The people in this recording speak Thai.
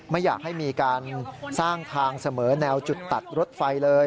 ไม่อยากให้มีการสร้างทางเสมอแนวจุดตัดรถไฟเลย